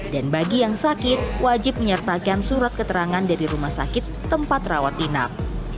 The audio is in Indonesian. dan bagi yang sakit wajib menyertakan surat keterangan dari rumah sakit tempat rawat inap